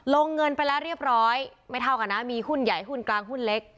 เงินไปแล้วเรียบร้อยไม่เท่ากันนะมีหุ้นใหญ่หุ้นกลางหุ้นเล็ก